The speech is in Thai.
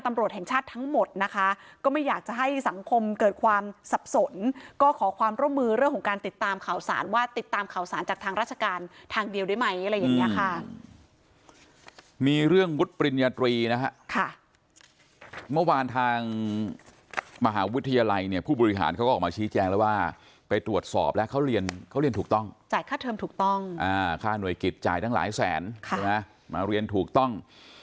ตำรวจแห่งชาติทั้งหมดนะคะก็ไม่อยากจะให้สังคมเกิดความสับสนก็ขอความร่วมมือเรื่องของการติดตามข่าวสารว่าติดตามข่าวสารจากทางราชการทางเดียวได้ไหมอะไรอย่างเงี้ยค่ะมีเรื่องวุฒิปริญญาตรีนะคะค่ะเมื่อวานทางมหาวิทยาลัยเนี่ยผู้บริหารเขาก็ออกมาชี้แจ้งแล้วว่าไปตรวจสอบแล้วเขาเรียนเขาเรียนถูกต้อง